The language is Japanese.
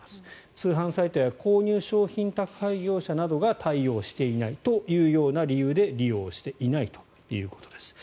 通販サイトや購入商品宅配業者などが対応していないというような理由で利用していないということです。